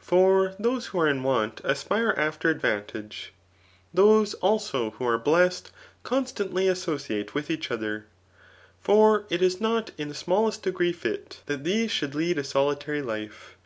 For those who are in want aspire after advan tage. Those, also, who are blessed constantly associate with each other ; for it is not in the smallest degree fit Digitized by Google CHAP. V« 2THICS. 299 that these should lead a solitary life.